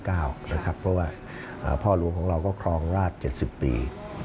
เพราะว่าพ่อหลวงของเราก็ครองราช๗๐ปี